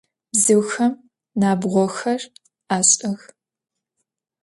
Bzıuxem nabğoxer aş'ıx.